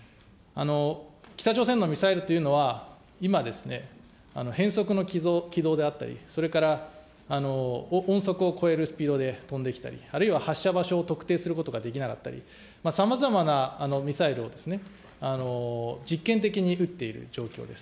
北朝鮮のミサイルというのは、今、変則の軌道であったり、それから音速を超えるスピードで飛んできたり、あるいは発射場所を特定することができなかったり、さまざまなミサイルを実験的に撃っている状況です。